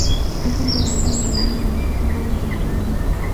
Es impresionante el nivel organizativo dentro de la banda.